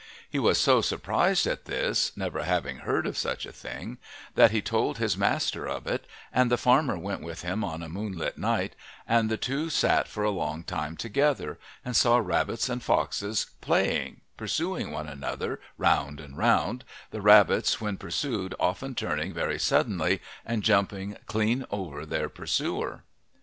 He was so surprised at this, never having heard of such a thing, that he told his master of it, and the farmer went with him on a moonlight night and the two sat for a long time together, and saw rabbits and foxes playing, pursuing one another round and round, the rabbits when pursued often turning very suddenly and jumping clean over their pursuer.